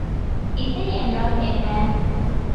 இசை என்றால் என்ன?